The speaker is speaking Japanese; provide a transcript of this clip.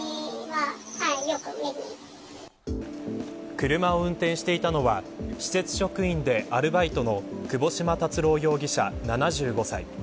車を運転していたのは施設職員でアルバイトの窪島達郎容疑者７５歳。